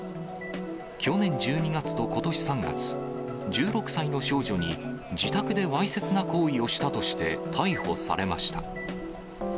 去年１２月とことし３月、１６歳の少女に、自宅でわいせつな行為をしたとして、逮捕されました。